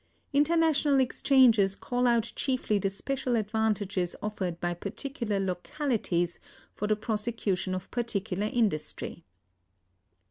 International exchanges call out chiefly the special advantages offered by particular localities for the prosecution of particular industries.